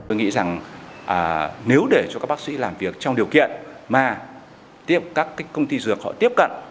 tôi nghĩ rằng nếu để cho các bác sĩ làm việc trong điều kiện mà tiếp các công ty dược họ tiếp cận